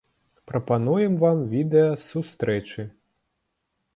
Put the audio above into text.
Прапануем вам відэа з сустрэчы.